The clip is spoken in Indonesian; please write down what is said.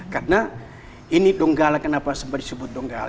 karena ini donggala kenapa disebut donggala